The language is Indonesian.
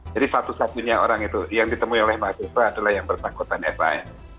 jadi satu satunya orang itu yang ditemui oleh mahasiswa adalah yang bertanggutan fan